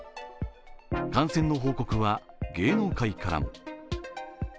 感染の報告は芸能界からも。